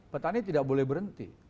petani tidak boleh berhenti